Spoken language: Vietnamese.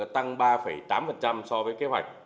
tăng ba tám so với kế hoạch